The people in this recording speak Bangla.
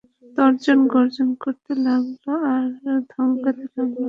তর্জন গর্জন করতে লাগল আর ধমকাতে লাগল।